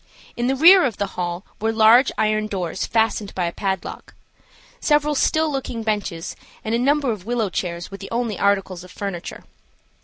In the rear of the hall were large iron doors fastened by a padlock. Several still looking benches and a number of willow chairs were the only articles of furniture.